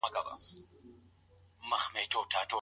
ښځه د نارينه په نسبت ولي کمزورې ګڼل کېږي؟